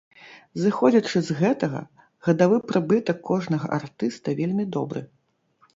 Зыходзячы з гэтага гадавы прыбытак кожнага артыста вельмі добры.